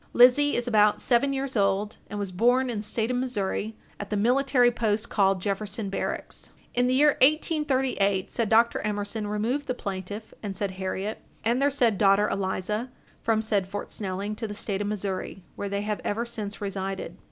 Lizzie is about seven years old, and was born in the State of Missouri, at the military post called Jefferson Barracks. In the year 1838, said Dr. Emerson removed the plaintiff and said Harriet and their said daughter Eliza from said Fort Snelling to the State of Missouri, where they have ever since resided.